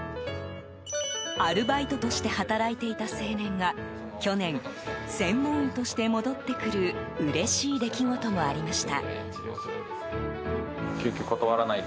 アルバイトとして働いていた青年が去年、専門医として戻ってくるうれしい出来事もありました。